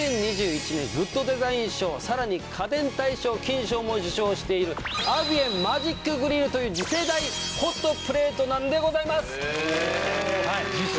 ２０２１年グッドデザイン賞さらに家電大賞金賞も受賞しているアビエンマジックグリルという次世代ホットプレートなんでございます！